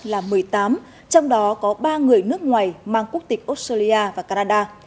là một mươi tám trong đó có ba người nước ngoài mang quốc tịch australia và canada